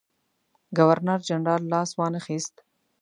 ګورنرجنرال لاس وانه خیست.